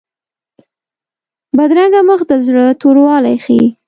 بدرنګه مخ د زړه توروالی ښيي